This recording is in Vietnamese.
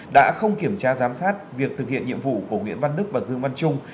đã không kiểm tra giám sát việc thực hiện nhiệm vụ của nguyễn văn đức và dương văn trung